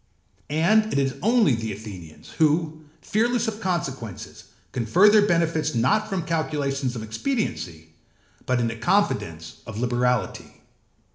And it is only the Athenians, who, fearless of consequences, confer their benefits not from calculations of expediency, but in the confidence of liberality.